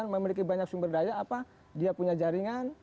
memiliki banyak sumber daya apa dia punya jaringan